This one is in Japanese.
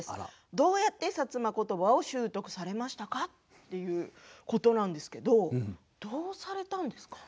どうやって薩摩ことばを習得されましたか？ということなんですけどどうされたんですか？